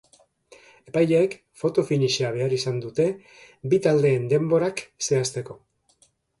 Epaileek foto-finisha behar izan dute bi taldeen denborak zehazteko.